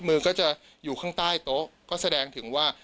มือก็จะอยู่ข้างใต้โต๊ะก็แสดงถึงว่า